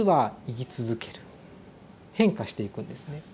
変化していくんですね。